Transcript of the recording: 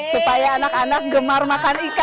supaya anak anak gemar makan ikan